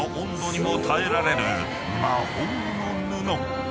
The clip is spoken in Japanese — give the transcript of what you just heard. ［魔法の布］